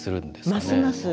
ますます。